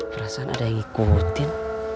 perasaan ada yang ikutin